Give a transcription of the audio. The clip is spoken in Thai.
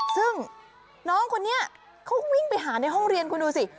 ซึ่งน้องคนนี้เขาวิ่งไปหาในห้องเรียนคุณดูสิ